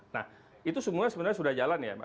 nah itu semua sebenarnya sudah jalan ya